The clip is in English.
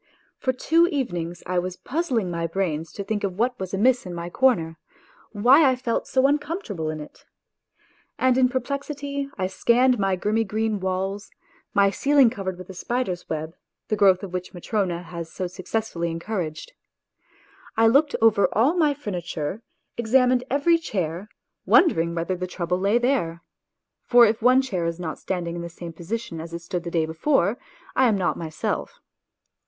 For two evenings 1 was puy./ling my brains to think what was ;unks in my corner ; why 1 felt so un comfortable in it. And in jH rplexif y I scanned my grimy green walls, my ceiling covered witli a spider's web, the growth of wliich WHITE NIGHTS 3 Matrona has so successfully encouraged. I looked over all my furniture, examined every chair, wondering whether the trouble lay there (for if one chair is not standing in the same position as it stood the day before, I am not myself).